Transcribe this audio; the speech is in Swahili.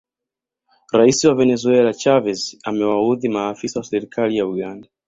Rais wa Venezuela Chavez amewaudhi maafisa wa serikali ya Uganda